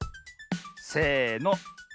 せの。